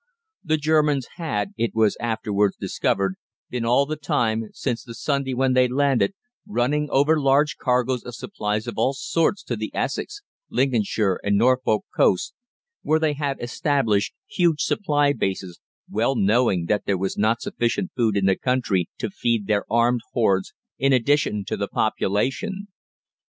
The Germans had, it was afterwards discovered, been all the time, since the Sunday when they landed, running over large cargoes of supplies of all sorts to the Essex, Lincolnshire, and Norfolk coasts, where they had established huge supply bases, well knowing that there was not sufficient food in the country to feed their armed hordes in addition to the population.